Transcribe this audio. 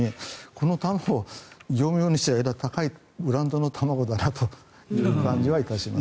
この卵、業務用にしてはえらい高いブランドの卵だなという感じは致します。